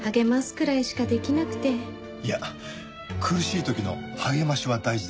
いや苦しい時の励ましは大事です。